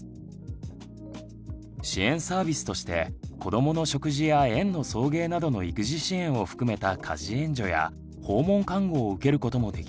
支援サービスとして子どもの食事や園の送迎などの育児支援を含めた家事援助や訪問看護を受けることもできます。